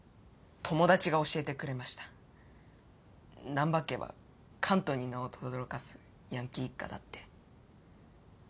難破家は関東に名をとどろかすヤンキー一家だって。